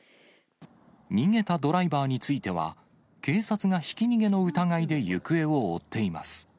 逃げたドライバーについては、警察がひき逃げの疑いで行方を追っています。